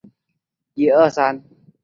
我出来找找